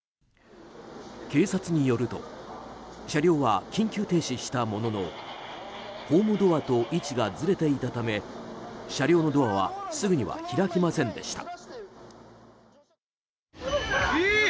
警察によると車両は緊急停止したもののホームドアと位置がずれていたため車両のドアはすぐには開きませんでした。